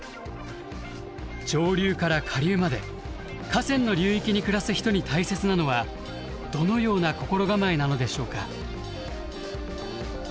上流から下流まで河川の流域に暮らす人に大切なのはどのような心構えなのでしょうか？